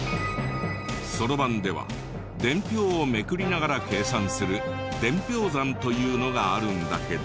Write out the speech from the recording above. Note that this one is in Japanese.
そろばんでは伝票をめくりながら計算する伝票算というのがあるんだけど。